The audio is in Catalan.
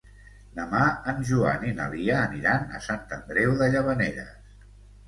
Demà en Joan i na Lia aniran a Sant Andreu de Llavaneres.